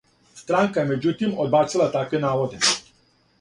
Странка је међутим одбацила такве наводе.